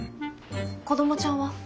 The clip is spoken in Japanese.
子どもちゃんは？